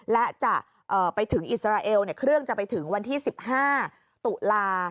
และจะไปถึงอิสราเอลเครื่องจะไปถึงวันที่๑๕ตุลา